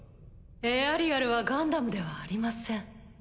エアリアルはガンダムではありません。